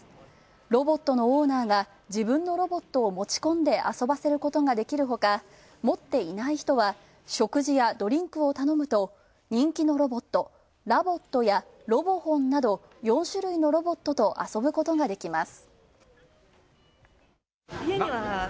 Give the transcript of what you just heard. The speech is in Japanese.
ロボットのオーナーが自分のロボットを持ち込んで遊ばせることができるほか持っていない人は、食事やドリンクを頼むと人気のロボット、ＬＯＶＯＴやＲｏＢｏＨｏＮなど４種類のロボットと遊ぶことができます。